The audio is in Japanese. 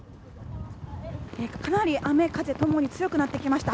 かなり、雨風ともに強くなってきました。